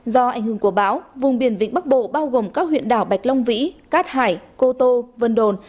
do ảnh hưởng của bão vùng biển vịnh bắc bộ bao gồm các huyện đảo bạch long vĩ cát hải cô tô vân đồn